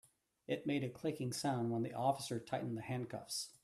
It made a clicking sound when the officer tightened the handcuffs.